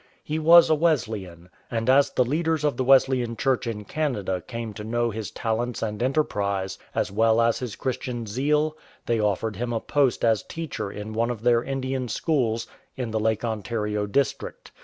He was a Wesleyan, and as the leaders of the Wesleyan Church in Canada came to know his talents and enterprise, as well as his Christian zeal, they offered him a post as teacher in one of their Indian schools in the Lake Ontario district.